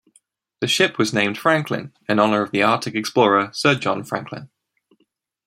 The ship was named "Franklin" in honour of Arctic explorer Sir John Franklin.